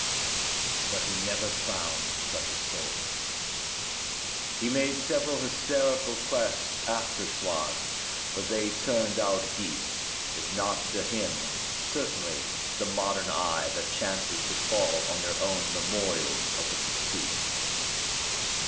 But he never found such a soul. He made several hysterical quests after swans, but they tinned out geese, if not to him, certainly to the modem eye that chances to fall on their own memorials of the pursuit.